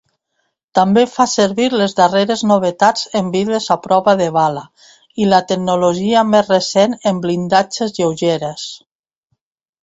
També fa servir les darreres novetats en vidres a prova de bala i la tecnologia més recent en blindatges lleugeres.